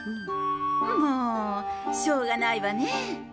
もーう、しょうがないわねぇ。